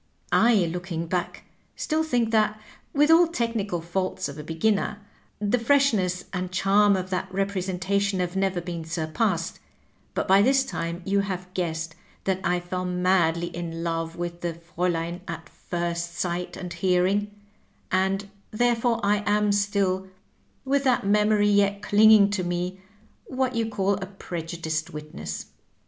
I, looking back, still think that, with all technical faults of a beginner, the freshness and charm of that representation have never been surpassed; but by this time you have guessed that I fell madly in love with the FrSulein at first Digitized by VjOOQIC 124: THE ACTION TO THE WORD, Bight and hearing, and therefore I am still, with that memory yet clinging to me, what you call a prejudiced witneflfl.''